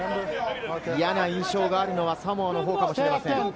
嫌な印象があるのはサモアのほうかもしれません。